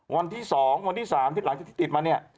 วันที่สองวันที่สามที่หลังที่ติดมาเนี่ย